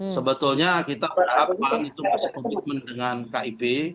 sebetulnya kita berhak berhak itu masih berhubungan dengan kip